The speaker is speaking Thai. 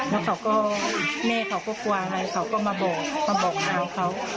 แล้วเขาก็แม่เขาก็กลัวอะไรเขาก็มาบอกมาบอกน้องเขา